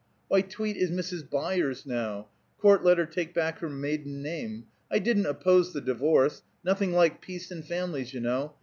"Why, Tweet is Mrs. Byers, now; court let her take back her maiden name. I didn't oppose the divorce; nothing like peace in families, you know.